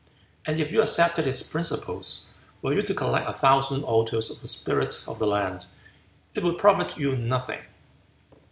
And if you accepted his principles, were you to collect a thousand altars of the spirits of the land it would profit you nothing."